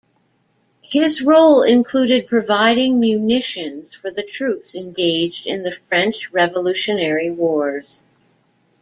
His role included providing munitions for the troops engaged in the French Revolutionary Wars.